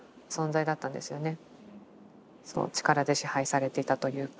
力で支配されていたというか。